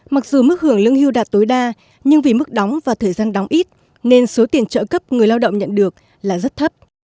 mặc dù mức hưởng lương hưu đạt tối đa nhưng vì mức đóng và thời gian đóng ít nên số tiền trợ cấp người lao động nhận được là rất thấp